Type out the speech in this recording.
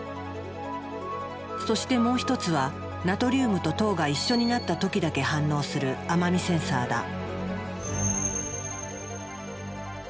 そしてもう一つはナトリウムと糖が一緒になった時だけ反応する甘味センサーだ。